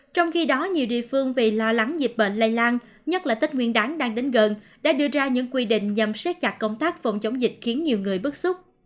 trong khi đó nhiều địa phương vì lo lắng dịch bệnh lây lan nhất là tết nguyên đáng đang đến gần đã đưa ra những quy định nhằm xét chặt công tác phòng chống dịch khiến nhiều người bức xúc